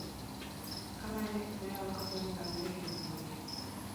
Hala ere, bere abokatuaren galderei erantzungo die.